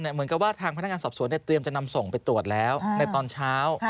เหมือนกับว่าทางพนักงานสอบสวนเตรียมจะนำส่งไปตรวจแล้วในตอนเช้า